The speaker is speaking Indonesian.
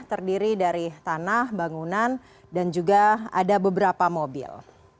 terdiri dari tanah bangunan dan juga ada beberapa mobil